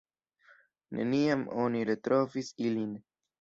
Neniam oni retrovis ilin.